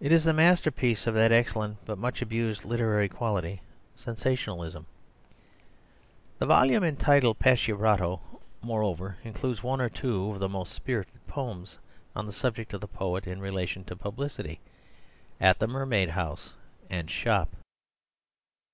It is the masterpiece of that excellent but much abused literary quality, Sensationalism. The volume entitled Pacchiarotto, moreover, includes one or two of the most spirited poems on the subject of the poet in relation to publicity "At the Mermaid," "House," and "Shop."